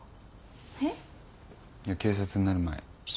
えっ？いや警察になる前。